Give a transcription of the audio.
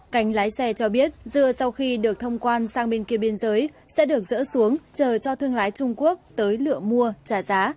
cánh lái xe cho biết dưa sau khi được thông quan sang bên kia biên giới sẽ được dỡ xuống chờ cho thương lái trung quốc tới lựa mua trả giá